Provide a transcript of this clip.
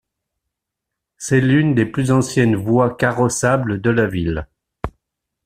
C'est l'une des plus anciennes voies carrossables de la ville.